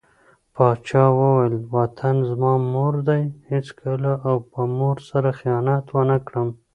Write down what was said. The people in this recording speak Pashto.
پاچا وويل: وطن زما مور دى هېڅکله او به مور سره خيانت ونه کړم .